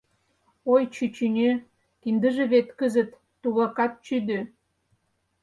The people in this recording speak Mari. Ой, чӱчӱньӧ, киндыже вет кызыт тугакат чӱдӧ.